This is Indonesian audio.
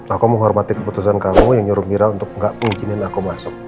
aku mau hormati keputusan kamu yang nyuruh mira untuk gak memizinkan aku masuk